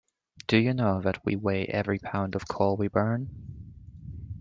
Do you know that we weigh every pound of coal we burn.